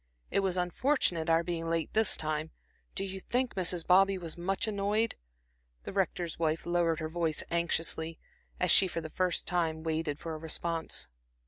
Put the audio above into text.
It was unfortunate our being late this time. Do you think Mrs. Bobby was much annoyed?" The Rector's wife lowered her voice anxiously, as she for the first time waited for a response.